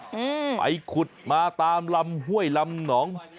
อืมไปขุดมาตามลำห้วยลำหนอง